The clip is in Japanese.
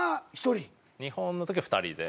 日本のときは２人で。